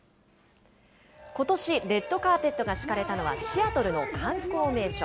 ことし、レッドカーペットが敷かれたのはシアトルの観光名所。